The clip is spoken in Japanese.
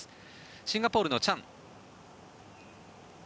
シンガポールのチャン。